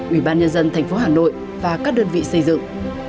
ủy ban nhân dân tp hà nội và các đơn vị xây dựng